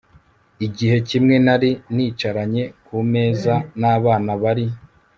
Igihe kimwe nari nicaranye ku meza nabana bari